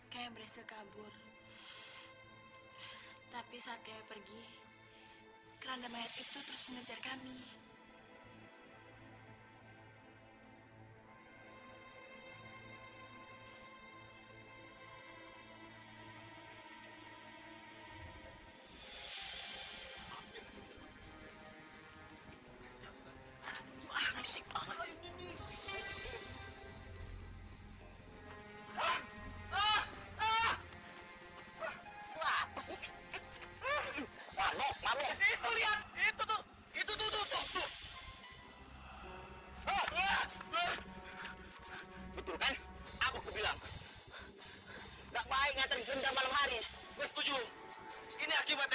ketika kita berdua kita tidak bisa menemukan keti